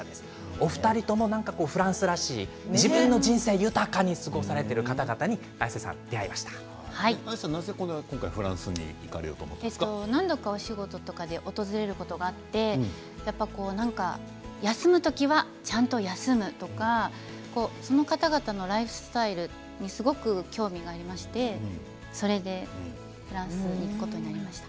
お二人ともフランスらしい自分の人生豊かに過ごされている方々になぜ今回フランスに何度かお仕事で訪れることがあって休む時はちゃんと休むその方々のライフスタイルにすごく興味がありましてそれでフランスに行くことになりました。